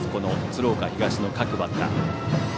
鶴岡東の各バッター。